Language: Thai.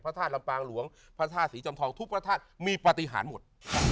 พระธาตุลำปางหลวงพระธาตุศรีจอมทองทุกพระธาตุมีปฏิหารหมด